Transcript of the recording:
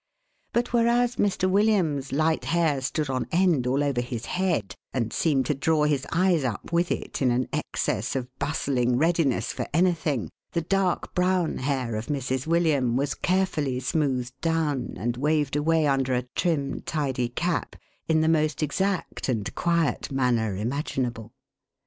But whereas Mr. William's light hair stood on end all over his head, and seemed to draw his eyes up with it in an excess of bustling readiness for anything, the dark brown hair of Mrs. William was carefully smoothed down, and waved away under a trim tidy cap, in the most exact and quiet manner imaginable.